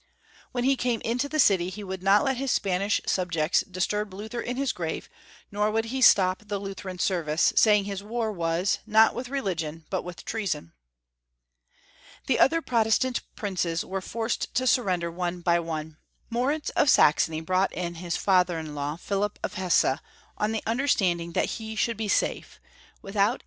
When he came into the city he would not let his Spanish subjects dis turb Luther in his grave, nor would he stop the Lutheran service, saying his war was, not with religion, but with treason. The other Protestant princes were forced to sur render, one by one. Moritz of Saxony brought in his father in law, Philip of Hesse, on the under standing that he should be safe, without a.